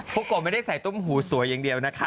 โกโกไม่ได้ใส่ตุ้มหูสวยอย่างเดียวนะคะ